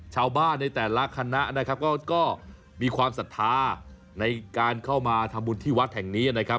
ชาวบ้านในแต่ละคณะนะครับก็มีความศรัทธาในการเข้ามาทำบุญที่วัดแห่งนี้นะครับ